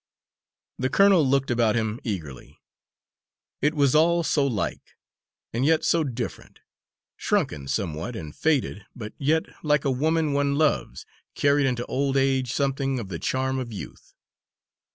The colonel looked about him eagerly. It was all so like, and yet so different shrunken somewhat, and faded, but yet, like a woman one loves, carried into old age something of the charm of youth.